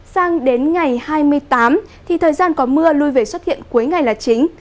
sang đến ngày hai mươi tám thì thời gian có mưa lui về xuất hiện cuối ngày là chính